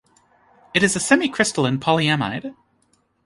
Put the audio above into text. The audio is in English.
It is a semicrystalline polyamide.